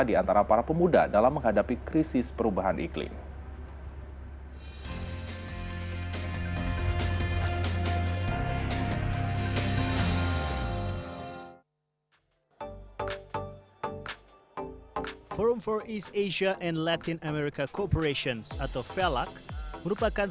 di antara para pemuda dalam menghadapi krisis perubahan iklim